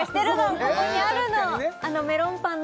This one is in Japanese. ここにあるの！